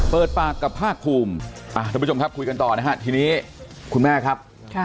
เปิดปากกับภาคภูมิทุกผู้ชมครับคุยกันต่อนะฮะทีนี้คุณแม่ครับ